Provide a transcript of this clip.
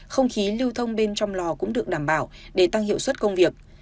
không khí lưu thông bên trong lò cũng được đảm bảo để tăng hiệu suất công việc